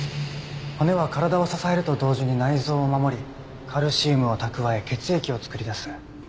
骨は体を支えると同時に内臓を守りカルシウムを蓄え血液を作り出す。